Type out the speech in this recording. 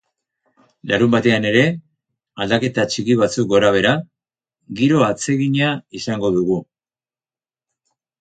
Larunbatean ere, aldaketa txiki batzuk gora behera, giro atsegina izango dugu.